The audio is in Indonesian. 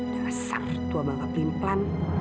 dasar tua bangka plimplan